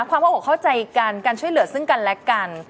ความเข้าอกเข้าใจกันการช่วยเหลือซึ่งกันและกัน